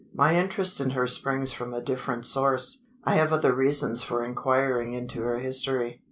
My interest in her springs from a different source. I have other reasons for inquiring into her history."